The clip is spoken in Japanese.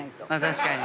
確かに。